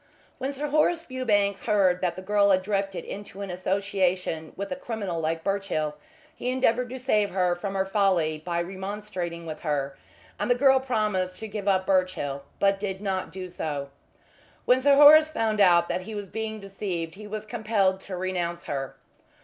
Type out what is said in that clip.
When Sir Horace Fewbanks heard that the girl had drifted into an association with a criminal like Birchill he endeavoured to save her from her folly by remonstrating with her, and the girl promised to give up Birchill, but did not do so. When Sir Horace found out that he was being deceived he was compelled to renounce her.